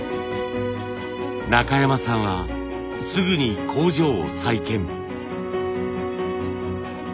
中山さんはすぐに工場を再建。